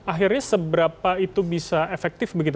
akhirnya seberapa itu bisa efektif begitu